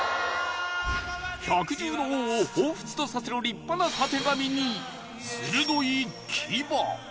百獣の王を彷彿とさせる立派なたてがみに鋭い牙